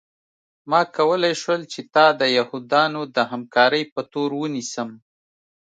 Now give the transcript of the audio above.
ما کولی شول چې تا د یهودانو د همکارۍ په تور ونیسم